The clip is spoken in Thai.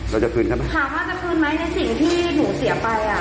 จะคืนใช่ไหมถามว่าจะคืนไหมในสิ่งที่หนูเสียไปอ่ะ